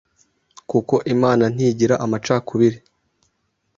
kuko imana ntigira amacakubiri